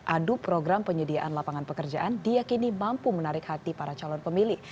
adu program penyediaan lapangan pekerjaan diakini mampu menarik hati para calon pemilih